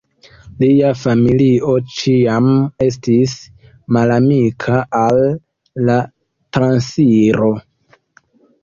Lia familio ĉiam estis malamika al la transiro.